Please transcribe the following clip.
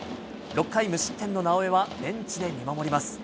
６回無失点の直江はベンチで見守ります。